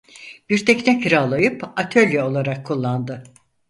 Bir tekne kiralayıp atölye olarak kulandı.